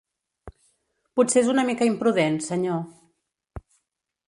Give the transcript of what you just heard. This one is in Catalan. Potser és una mica imprudent, senyor.